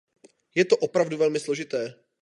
Je to opravdu velmi složité.